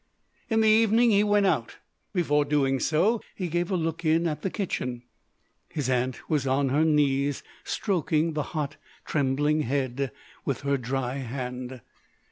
In the evening he went out. Before doing so he gave a look in at the kitchen. His Aunt was on her knees stroking the hot, trembling head with her dry hand.